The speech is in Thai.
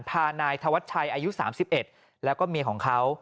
พานายธวัชชัยอายุ๓๑แล้วก็เมียของเขา